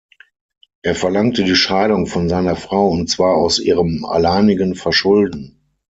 Er verlangte die Scheidung von seiner Frau, und zwar aus ihrem alleinigen Verschulden.